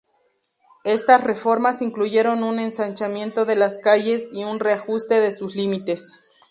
Estas reformas incluyeron un ensanchamiento de las calles y un reajuste de sus límites.